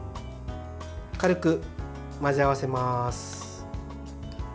軽く混ぜ合わせます。